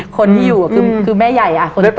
คนที่อยู่คือแม่ใหญ่คนโต